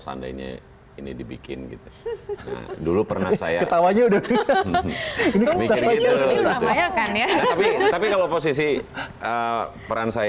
seandainya ini dibikin gitu dulu pernah saya ketawanya udah gitu tapi kalau posisi peran saya